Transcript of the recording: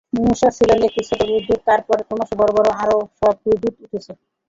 মুশা ছিলেন একটি ছোট বুদ্বুদ, তারপর ক্রমশ বড় বড় আরও সব বুদ্বুদ উঠেছে।